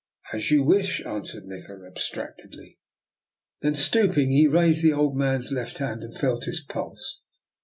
" As you wish," answered Nikola abstract edly. Then, stooping, he raised the old man's left hand and felt his pulse.